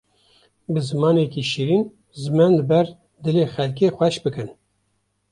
Bi zimanekî şêrîn zimên li ber dilê xelkê xweş bikin.